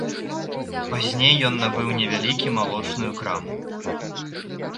Пазней ён набыў невялікі малочную краму.